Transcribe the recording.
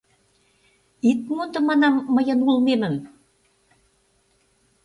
— Ит мондо, манам, мыйын улмемым!